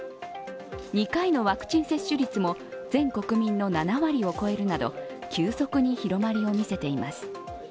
２回のワクチン接種率も全国民の７割を超えるなど急速に広まりを見せています。